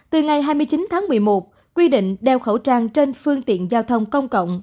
từ ngày hai mươi chín tháng một mươi một quy định đeo khẩu trang trên phương tiện giao thông công cộng